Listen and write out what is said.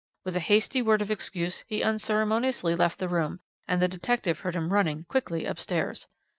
With a hasty word of excuse he unceremoniously left the room, and the detective heard him running quickly upstairs.